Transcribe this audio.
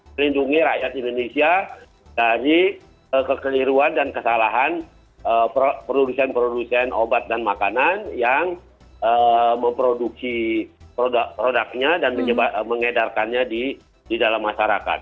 melindungi rakyat indonesia dari kekeliruan dan kesalahan produsen produsen obat dan makanan yang memproduksi produknya dan mengedarkannya di dalam masyarakat